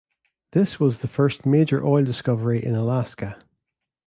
This was the first major oil discovery in Alaska.